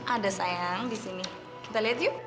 ada sayang disini kita lihat yuk